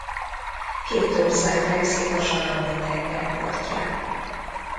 Két ország fekszik a Salamon-tenger partján.